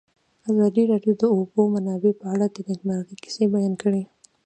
ازادي راډیو د د اوبو منابع په اړه د نېکمرغۍ کیسې بیان کړې.